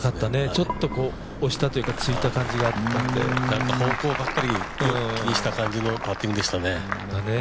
ちょっと、押したというか突いたという感じがあったんで方向ばっかり気にした感じのパッティングでしたね。